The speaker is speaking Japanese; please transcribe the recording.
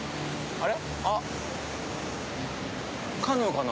あれ。